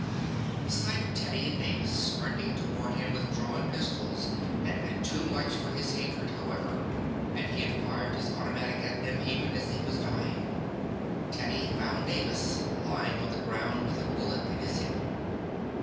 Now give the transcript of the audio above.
The sight of Teddy and Davis sprinting toward him with drawn pistols had been too much for his hatred, however, and he had fired his automatic at them even as he was dying. Teddy found Davis lying on the ground with a bullet in his hip.